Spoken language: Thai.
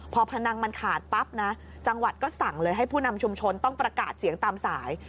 พอพนังมันขาดปั๊บนะจังหวัดก็สั่งเลยให้ผู้นำชุมชนต้องประกาศเสียงตามสาย